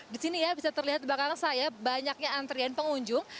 di sini ya bisa terlihat di belakang saya banyaknya antrian pengunjung